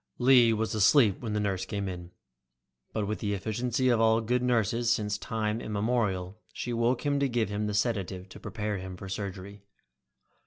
Lee was asleep when the nurse came, but with the efficiency of all good nurses since time immemorial, she woke him to give him the sedative to prepare him for surgery.